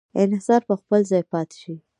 انحصار په خپل ځای پاتې شي.